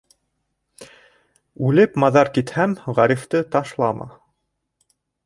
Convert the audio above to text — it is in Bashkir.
Үлеп-маҙар китһәм, Ғарифты ташлама.